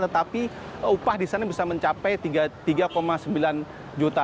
tetapi upah di sana bisa mencapai tiga sembilan juta